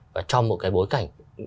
và trong một cái bối cảnh